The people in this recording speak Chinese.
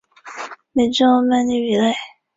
十点半以前不足七人